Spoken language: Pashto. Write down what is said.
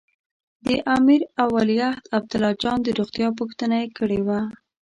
د امیر او ولیعهد عبدالله جان د روغتیا پوښتنه یې کړې وه.